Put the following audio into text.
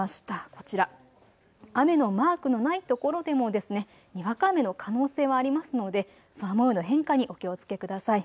こちら、雨のマークのないところでもにわか雨の可能性はありますので空もようの変化にお気をつけください。